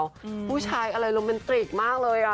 พี่แอนดริวเขาถ่ายอะไรโรแมนตริกมากเลยอ่ะ